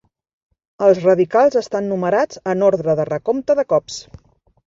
Els radicals estan numerats en ordre de recompte de cops.